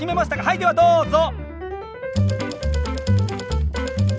はいではどうぞ！